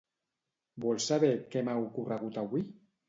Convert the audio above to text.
Vols saber què m'ha ocorregut avui?